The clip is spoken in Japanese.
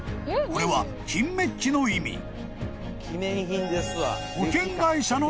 ［これは金メッキの意味］